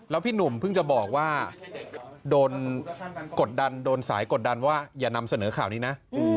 แล้วพี่หนุ่มเพิ่งจะบอกว่าโดนกดดันโดนสายกดดันว่าอย่านำเสนอข่าวนี้นะ